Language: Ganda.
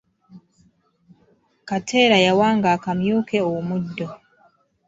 Kateera yawanga akamyu ke omuddo.